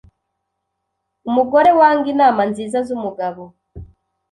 umugore wanga inama nziza z’umugabo,